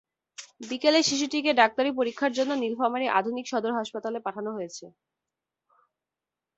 বিকেলে শিশুটিকে ডাক্তারি পরীক্ষার জন্য নীলফামারী আধুনিক সদর হাসপাতালে পাঠানো হয়েছে।